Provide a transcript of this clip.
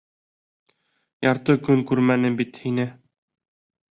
Ярты көн күрмәнем бит һине.